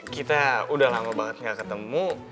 kita udah lama banget gak ketemu